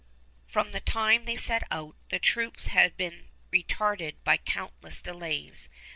From the time they set out, the troops had been retarded by countless delays.